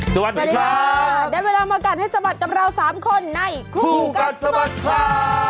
สวัสดีค่ะได้เวลามากัดให้สะบัดกับเราสามคนในคู่กัดสะบัดข่าว